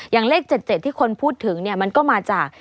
เลข๗๗ที่คนพูดถึงเนี่ยมันก็มาจาก